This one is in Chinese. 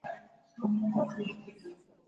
梁质华未婚。